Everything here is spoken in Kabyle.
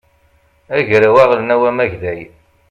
agraw aɣelnaw amagday